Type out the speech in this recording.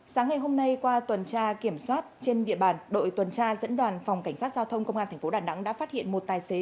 sáng ngày hôm nay qua tuần tra kiểm soát trên địa bàn đội tuần tra dẫn đoàn phòng cảnh sát giao thông công an tp đà nẵng đã phát hiện một tài xế